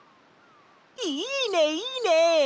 いいねいいね！